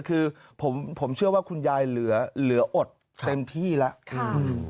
คือผมเชื่อว่าคุณยายเหลืออดเต็มที่แล้ว